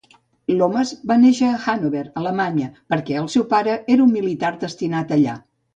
Lomas va néixer a Hanover, Alemanya, perquè el seu pare era un militar destinat allà.